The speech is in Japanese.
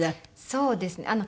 そうですね。